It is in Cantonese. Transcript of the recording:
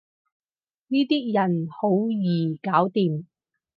呢啲人好易搞掂